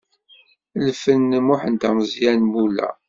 Lfen n Muḥend Ameẓyan Mula.